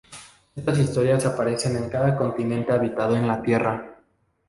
Estas historias aparecen en cada continente habitado en la tierra.